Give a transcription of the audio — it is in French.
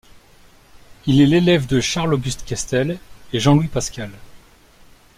Il est l'élève de Charles-Auguste Questel et Jean-Louis Pascal.